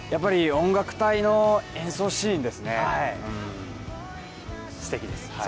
音楽隊の演奏シーンですね、素敵です。